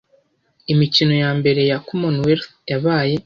Imikino ya mbere ya Commonwealth yabaye